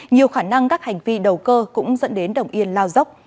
nhiều khả năng các hành vi đầu cơ cũng dẫn đến đồng yên lao dốc